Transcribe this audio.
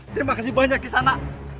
terima kasih banyak kisahnya